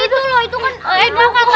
ya udah jangan heboh jangan heboh